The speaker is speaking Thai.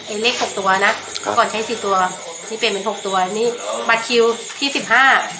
เลขหกตัวนะเมื่อก่อนใช้สี่ตัวนี่เปลี่ยนเป็นหกตัวนี่บัตรคิวที่สิบห้า